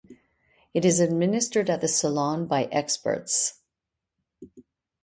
It is administered at the Salon by experts.